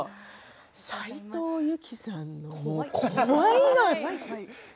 斉藤由貴さんの、怖いのよ。